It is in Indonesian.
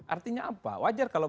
artinya apa wajar kalau